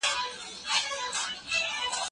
ولي مدام هڅاند د ذهین سړي په پرتله لوړ مقام نیسي؟